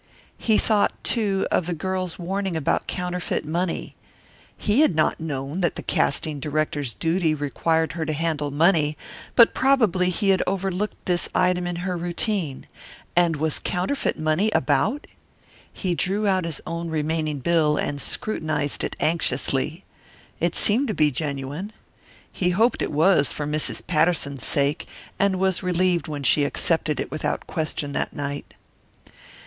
He thought, too, of the girl's warning about counterfeit money. He had not known that the casting director's duties required her to handle money, but probably he had overlooked this item in her routine. And was counterfeit money about? He drew out his own remaining bill and scrutinized it anxiously. It seemed to be genuine. He hoped it was, for Mrs. Patterson's sake, and was relieved when she accepted it without question that night.